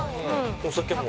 お酒も。